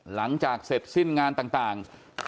หลังจากเสร็จสิ้นงานต่าง